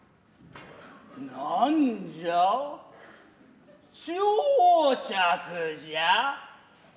何じゃ打擲じゃ。